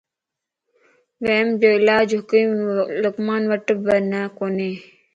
وھمَ جو علاج حڪيم لقمانَ وٽ به ڪوني.